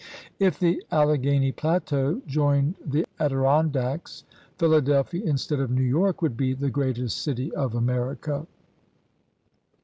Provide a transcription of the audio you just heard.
If the Alleghany plateau joined the Adirondacks, Philadelphia instead of New York would be the greatest city of America.